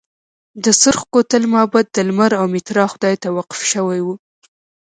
د سورخ کوتل معبد د لمر او میترا خدای ته وقف شوی و